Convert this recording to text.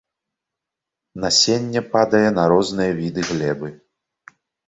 Насенне падае на розныя віды глебы.